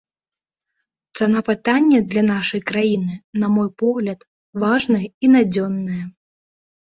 Цана пытання для нашай краіны, на мой погляд, важная і надзённая.